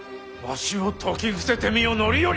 わしを説き伏せてみよ範頼！